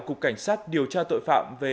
cục cảnh sát điều tra tội phạm về